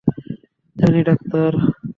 জানি, ডাক্তার।